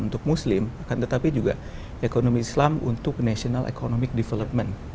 untuk muslim akan tetapi juga ekonomi islam untuk national economic development